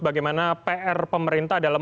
bagaimana pr pemerintah adalah